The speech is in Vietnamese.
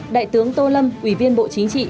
đại tướng tô lâm ủy viên bộ chính trị